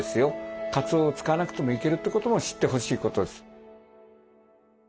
かつおを使わなくてもいけるってことも知ってほしいことです。